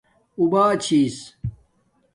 اُو باہ چھس